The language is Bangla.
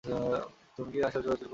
তুমি কি তার সাথে চোদাচুদি করছো?